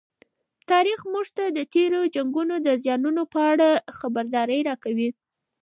تاریخ موږ ته د تېرو جنګونو د زیانونو په اړه خبرداری راکوي.